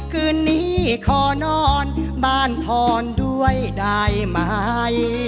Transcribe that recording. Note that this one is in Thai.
คืนนี้ขอนอนบ้านพรด้วยได้ไหม